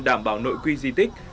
đảm bảo nội quy di tích